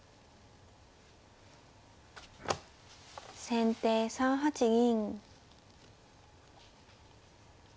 先手３八銀。